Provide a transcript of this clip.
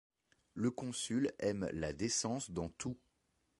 Le Consul aime la décence dans tout.